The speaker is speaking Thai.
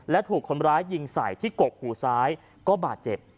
และถูกคนร้ายยิงใส่ที่กกหูซ้ายก็บาดเจ็บ